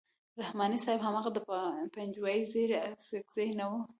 رحماني صاحب هماغه د پنجوایي زېږ اڅکزی نه وو.